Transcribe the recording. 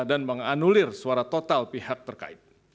dan menganulir suara total pihak terkait